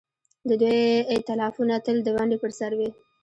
د دوی ائتلافونه تل د ونډې پر سر وي.